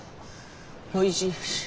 おいしい。